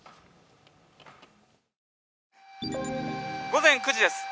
午前９時です。